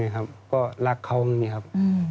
ผมก็รักเขาไม่มีครับ